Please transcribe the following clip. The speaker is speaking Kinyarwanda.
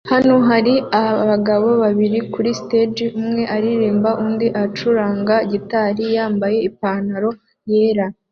Hano hari abagabo babiri kuri stage umwe aririmba undi acuranga gitari yambaye ipantaro yera